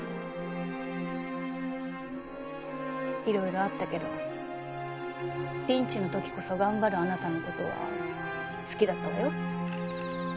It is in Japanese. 色々あったけどピンチの時こそ頑張るあなたのことは好きだったわよ